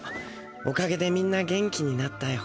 おかげでみんな元気になったよ。